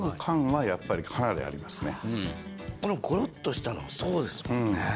このごろっとしたのそうですもんね。